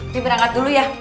nih berangkat dulu ya